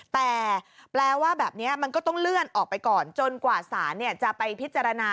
แต่แปลว่าแบบนี้มันก็ต้องเลื่อนออกไปก่อนจนกว่าศาลจะไปพิจารณา